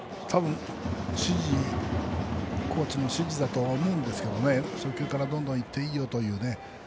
コーチの指示だと思うんですが初球からどんどんいっていいよというね。